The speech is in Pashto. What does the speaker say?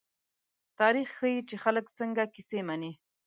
تاریخ ښيي، چې خلک څنګه کیسې مني.